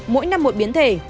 mỗi năm một biến thể